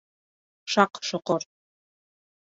Шаҡ-Шоҡор